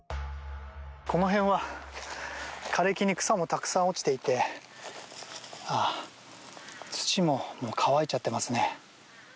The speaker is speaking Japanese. この辺は枯れ木に草もたくさん落ちていて土ももう乾いちゃってますね。